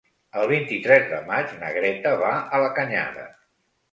El vint-i-tres de maig na Greta va a la Canyada.